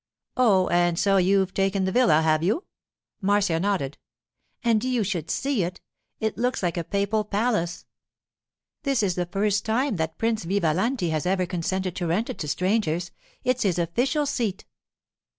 'Oh, and so you've taken the villa, have you?' Marcia nodded. 'And you should see it! It looks like a papal palace. This is the first time that Prince Vivalanti has ever consented to rent it to strangers; it's his official seat.